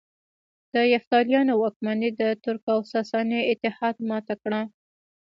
د یفتلیانو واکمني د ترک او ساساني اتحاد ماته کړه